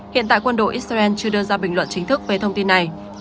hiện tại quân đội israel chưa đưa ra bình luận chính thức về thông tin này